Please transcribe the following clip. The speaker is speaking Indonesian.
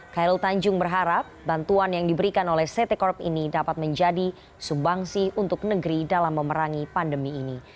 khairul tanjung berharap bantuan yang diberikan oleh ct corp ini dapat menjadi subangsi untuk negeri dalam memerangi pandemi ini